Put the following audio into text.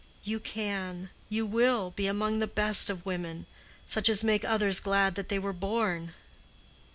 You can, you will, be among the best of women, such as make others glad that they were born."